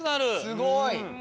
すごい！